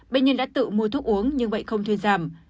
bệnh nhân đã tự mua thuốc uống nhưng vậy không thuyên giảm